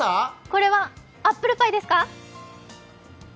これはアップルパイですか？